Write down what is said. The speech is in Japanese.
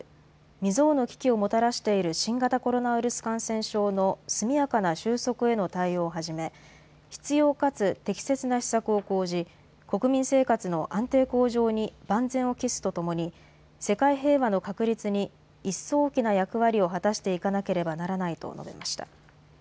未曽有の危機をもたらしている新型コロナウイルス感染症の速やかな収束への対応をはじめ必要かつ適切な施策を講じ国民生活の安定向上に万全を期すとともに世界平和の確立に一層大きな役割を果たしていかなければならないと述べました。